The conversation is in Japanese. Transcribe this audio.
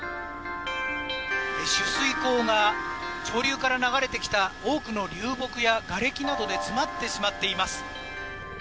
取水口が上流から流れてきた多くの流木やがれきなどで詰まってしまっています。